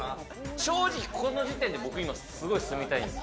正直この時点ですごい住みたいですよ。